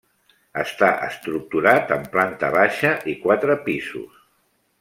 Està estructurat en planta baixa i quatre pisos.